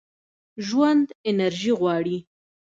ژوند انرژي غواړي.